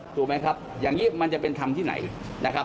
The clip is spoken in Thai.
ถูกไหมครับอย่างนี้มันจะเป็นธรรมที่ไหนนะครับ